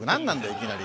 いきなり。